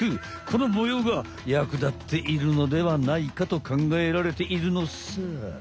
この模様が役立っているのではないかとかんがえられているのさ。